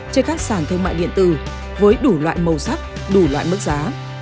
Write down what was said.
trên các sản thương mại điện tử với đủ loại màu sắc đủ loại mức giá